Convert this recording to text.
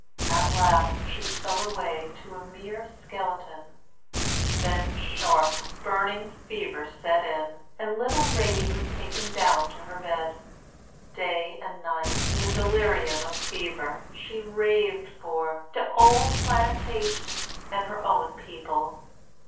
At last she fell away to a mere skeleton; then sharp, burning fever set in, and little Ratie was taken down to her bed. Day and night, in the delirium of fever, she raved for "de ole plantation" and her own people.